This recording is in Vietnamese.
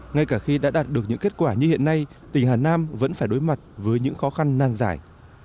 ngay cả khi đã đạt được những kết quả như hiện nay tỉnh hà nam vẫn phải đối mặt với những khó khăn nan giải